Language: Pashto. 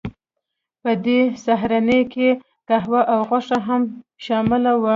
په دې سهارنۍ کې قهوه او غوښه هم شامله وه